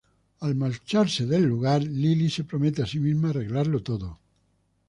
Al marcharse del lugar, Lilly se promete a sí misma arreglarlo todo.